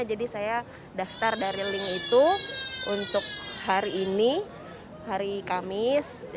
jadi saya daftar dari link itu untuk hari ini hari kamis